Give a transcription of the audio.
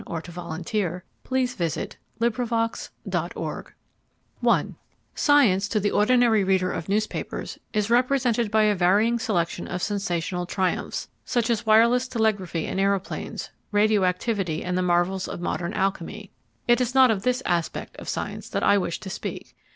II THE PLACE OF SCIENCE IN A LIBERAL EDUCATION I Science, to the ordinary reader of newspapers, is represented by a varying selection of sensational triumphs, such as wireless telegraphy and aeroplanes, radio activity and the marvels of modern alchemy. It is not of this aspect of science that I wish to speak.